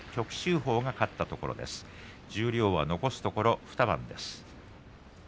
十両は残すところ２番です。